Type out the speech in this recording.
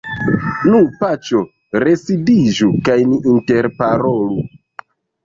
Nu, paĉjo, residiĝu, kaj ni interparolu.